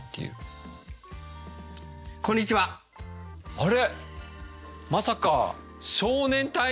あれ？